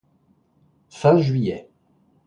Fin juillet.